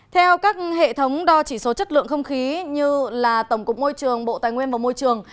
theo các hệ thống đo chỉ số chất lượng không khí như là tổng cục môi trường bộ tài nguyên và môi trường